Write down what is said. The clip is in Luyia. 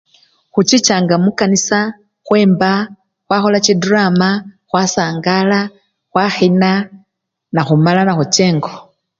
Khuchichanga mukanisa khwemba, khwakhola chidrama, khwasangala, khwakhina nekhumala nekhucha engo.